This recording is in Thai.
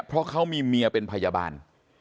เพราะเขามีเมียเป็นพยาบาล